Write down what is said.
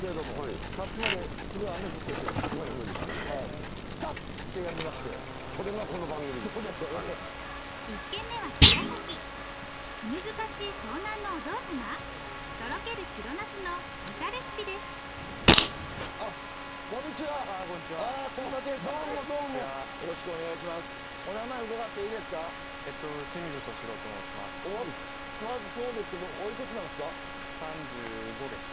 お若そうですけどおいくつなんすか？